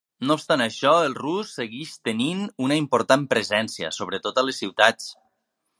No obstant això el rus segueix tenint una important presència, sobretot a les ciutats.